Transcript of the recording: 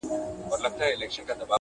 چي دولتمند یې که دربدر یې٫